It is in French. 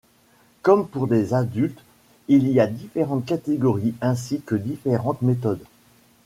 Comme pour les adultes, il y a différentes catégories ainsi que différentes méthodes.